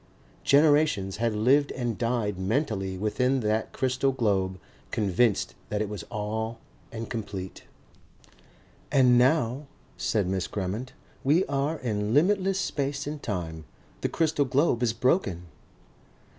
Generations had lived and died mentally within that crystal globe, convinced that it was all and complete. "And now," said Miss Grammont, "we are in limitless space and time. The crystal globe is broken."